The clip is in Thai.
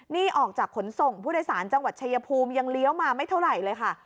นี่ออกจากขนส่งผู้โดยสารจังหวัดชายภูมิยังเลี้ยวมาไม่เท่าไหร่เลยค่ะ